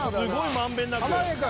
満遍なく。